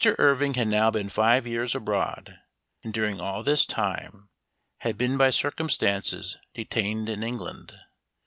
IRVING had now been five years L» l abroad, and during all this time had been by circumstances detained in England.